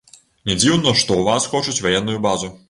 Не дзіўна, што ў вас хочуць ваенную базу.